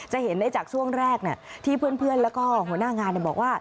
เห็นได้จากช่วงแรกที่เพื่อนแล้วก็หัวหน้างานบอกว่า